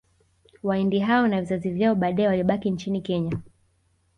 Wahindi hao na vizazi vyao baadae walibakia nchini Kenya